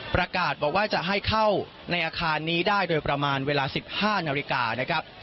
ประกาศบอกว่าจะให้เข้าในอาคารนี้ได้โดยประมาณเวลา๑๕นาฬิกานะครับ